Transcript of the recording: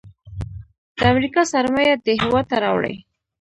د امریکا سرمایه دې هیواد ته راوړي.